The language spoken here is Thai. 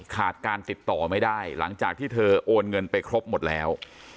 ขาดการติดต่อไม่ได้หลังจากที่เธอโอนเงินไปครบหมดแล้ว